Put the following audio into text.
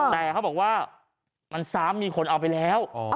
แต่เขาบอกว่ามันซ้ำมีคนเอาไปแล้ว